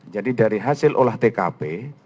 jadi dari hasil olah tkp